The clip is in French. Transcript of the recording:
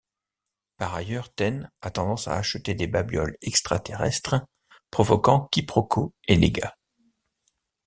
Par ailleurs Ten a tendance à acheter des babioles extra-terrestre provoquant quiproquo et dégâts.